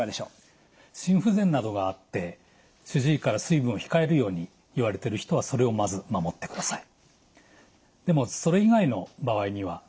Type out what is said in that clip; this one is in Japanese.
心不全などがあって主治医から水分を控えるように言われてる人はそれをまず守ってください。